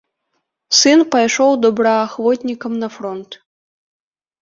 Сын пайшоў добраахвотнікам на фронт.